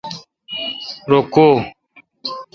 رو کو?